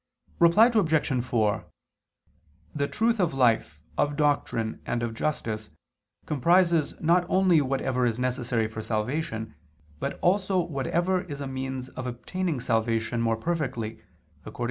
Reply Obj. 4: The truth of life, of doctrine, and of justice comprises not only whatever is necessary for salvation, but also whatever is a means of obtaining salvation more perfectly, according to 1 Cor.